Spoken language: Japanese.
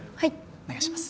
お願いします。